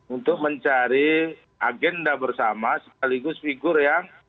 untuk mencari agenda bersama sekaligus figur yang